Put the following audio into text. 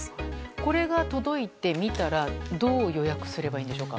これが届いて、見たらどう予約すればいいんでしょうか。